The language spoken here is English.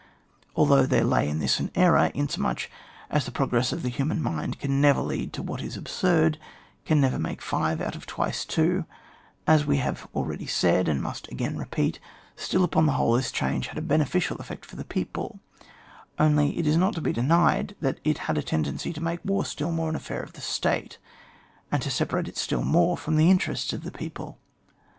Although there lay in this an error, inas much as the progress of the human mind can never lead to what is absurd, can never make five out of twice two, as we have already said, and must again re peat, still upon the whole this change had a beneficial effect for the people ; only it is not to be denied that it heid a tendency to make war still more an affair of the State, and to separate it still more from the interests of the people.